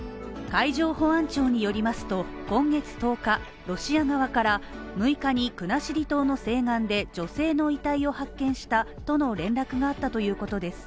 海上保安庁によりますと今月１０日、ロシア側から６日に国後島の西岸で女性の遺体を発見したとの連絡があったということです